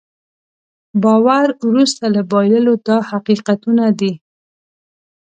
باور وروسته له بایللو دا حقیقتونه دي.